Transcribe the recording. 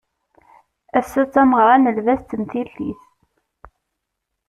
Ass-a d tameɣra n lbaz d temtilt-is